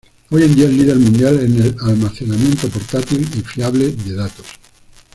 Hoy en día es líder mundial en el almacenamiento portátil y fiable de datos.